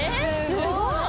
すごい何？